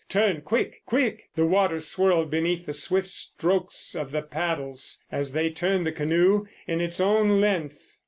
"Turn quick! Quick!" The water swirled beneath the swift strokes of the paddles as they turned the canoe in its own length.